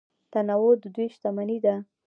تنوع د دوی شتمني ده.